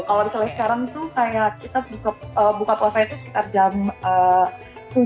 kalau misalnya sekarang tuh kayak kita buka puasanya itu sekitar jam tujuh an sih